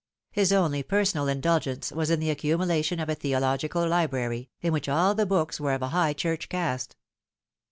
His on)y personal indulgence was in the accumulation of a theological library, in which all the books were of a High Church cast.